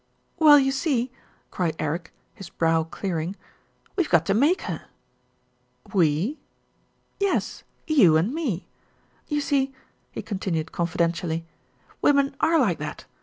"Well, you see," cried Eric, his brow clearing. "We've got to make her." "We?" "Yes, you and me. You see," he continued confi dentially, "women are like that.